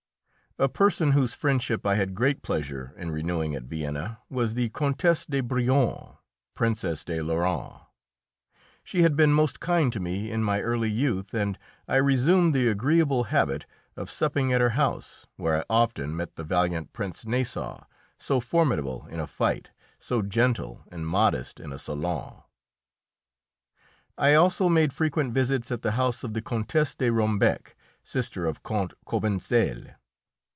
A person whose friendship I had great pleasure in renewing at Vienna was the Countess de Brionne, Princess de Lorraine. She had been most kind to me in my early youth, and I resumed the agreeable habit of supping at her house, where I often met the valiant Prince Nassau, so formidable in a fight, so gentle and modest in a salon. I also made frequent visits at the house of the Countess de Rombec, sister of Count Cobentzel.